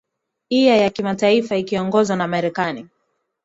iya ya kimataifa ikiongozwa na marekani